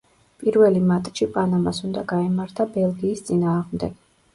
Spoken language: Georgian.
პირველი მატჩი პანამას უნდა გაემართა ბელგიის წინააღმდეგ.